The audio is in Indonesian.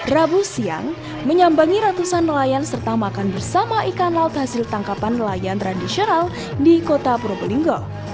rabu siang menyambangi ratusan nelayan serta makan bersama ikan laut hasil tangkapan nelayan tradisional di kota probolinggo